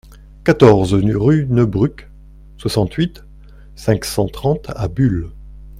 quatorze rue Neubruck, soixante-huit, cinq cent trente à Buhl